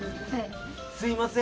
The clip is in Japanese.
すいません